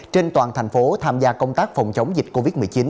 trên toàn thành phố tham gia công tác phòng chống dịch covid một mươi chín